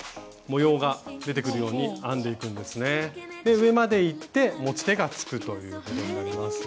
上までいって持ち手がつくということになります。